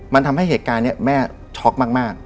มันทำให้เหตุการณ์นี้แม่ช็อกมาก